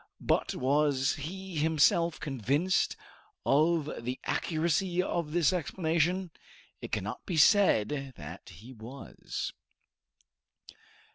But was he himself convinced of the accuracy of this explanation? It cannot be said that he was.